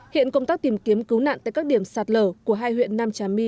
hiện công tác tìm kiếm cứu nạn tại các điểm sạt lở của hai huyện nam trà my